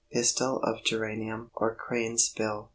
Pistil of Geranium or Cranesbill.